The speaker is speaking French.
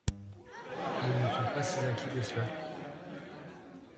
Ils ne sont pas si inquiets que cela.